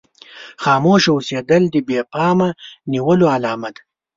خاموشه اوسېدل د بې پامه نيولو علامه ده.